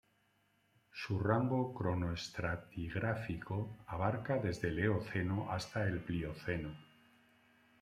Su rango cronoestratigráfico abarca desde el Eoceno hasta el Plioceno.